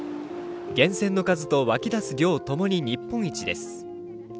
源泉の数と湧き出す量ともに日本一です。